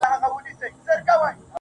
دا کار حرام دی او، دا بل حلال دي وکړ,